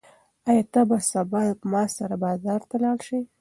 ایا ته به سبا ما سره بازار ته لاړ شې؟